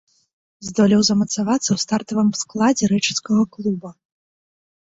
Здолеў замацавацца ў стартавым складзе рэчыцкага клуба.